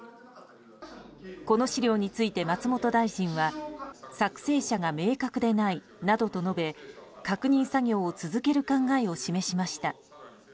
この資料について松本大臣は作成者が明確でないなどと述べ確認作業を続ける考えを示しました。